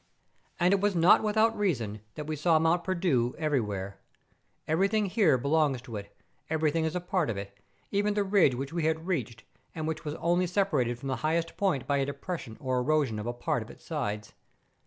And it was not without reason that we saw ^lont Perdu everywhere; everything here belongs to it, everything is a part of it, even the ridge which we had reached, and which was only separated from the highest point by a depression or erosion of a part of its sides.